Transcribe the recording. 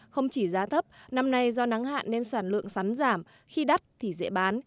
không chỉ giá thấp năm nay do nắng hạn nên sản lượng sắn giảm khi đắt thì dễ bán